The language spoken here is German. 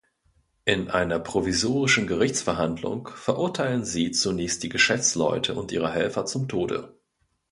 In einer provisorischen Gerichtsverhandlung verurteilen sie zunächst die Geschäftsleute und ihre Helfer zum Tode.